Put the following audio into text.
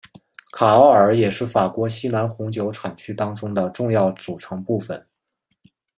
卡奥尔也是法国西南红酒产区当中的重要组成部分。